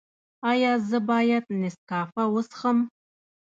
ایا زه باید نسکافه وڅښم؟